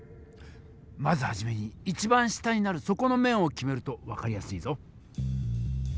まずはじめに一番下になる底の面を決めると分かりやすいぞ。